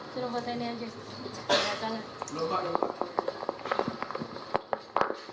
coba buat ini aja